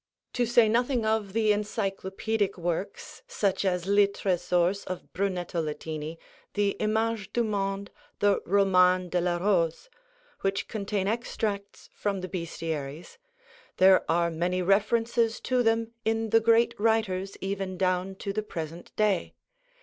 To say nothing of the encyclopaedic works, such as 'Li Tresors' of Brunetto Latini, the 'Image du Monde,' the 'Roman de la Rose,' which contain extracts from the Bestiaries, there are many references to them in the great writers, even down to the present day.